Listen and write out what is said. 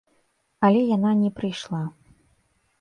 Але яна не прыйшла.